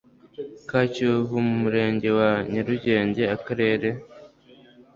ka kiyovu mu murenge wa nyarugenge akarere